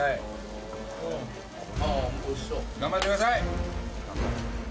頑張ってください！